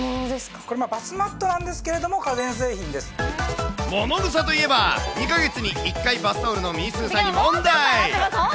これ、バスマットなんですけものぐさといえば、２か月に１回バスタオルのみーすーさんに問題。